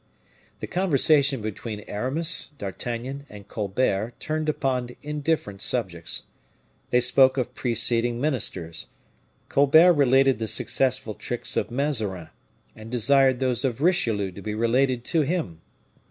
The conversation between Aramis, D'Artagnan, and Colbert turned upon indifferent subjects. They spoke of preceding ministers; Colbert related the successful tricks of Mazarin, and desired those of Richelieu to be related to him.